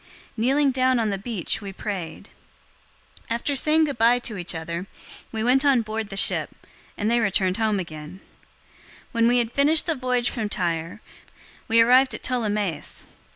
Kneeling down on the beach, we prayed. 021:006 After saying goodbye to each other, we went on board the ship, and they returned home again. 021:007 When we had finished the voyage from Tyre, we arrived at Ptolemais.